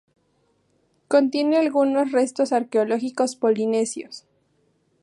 Contiene algunos restos arqueológicos polinesios.